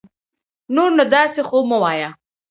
نور نو داسي خو مه وايه